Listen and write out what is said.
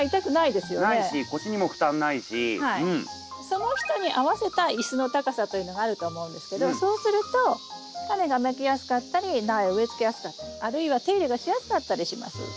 その人に合わせたイスの高さというのがあると思うんですけどそうするとタネがまきやすかったり苗を植えつけやすかったりあるいは手入れがしやすかったりします。